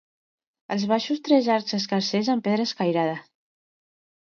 Als baixos tres arcs escarsers amb pedra escairada.